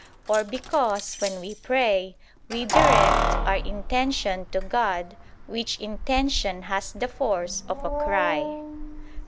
Or because, when we pray, we direct our intention to God, which intention has the force of a cry.